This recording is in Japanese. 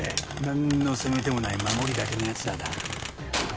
なんの攻め手もない守りだけのやつらだ。